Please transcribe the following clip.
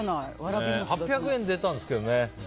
８００円出たんですけどね。